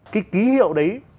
cái ký hiệu đấy